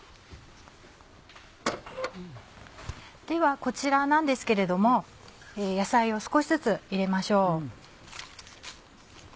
ではこちらなんですけれども野菜を少しずつ入れましょう。